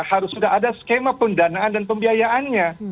harus sudah ada skema pendanaan dan pembiayaannya